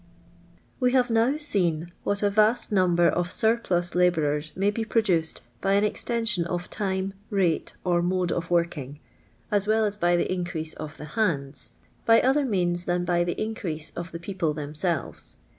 We have now seen what a vast number of sur plus labourers may be produced by an extension of time, rate, or mode of working, as well as by the increase of the hands, by other means than by the increase of die pioph themselves.